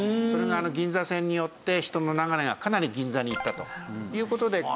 それが銀座線によって人の流れがかなり銀座にいったという事で。